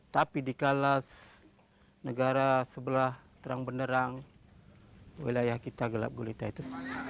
tapi di kalas negara sebelah terang benderang wilayah kita gelap gulita itu